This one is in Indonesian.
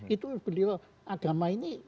itu beliau agama ini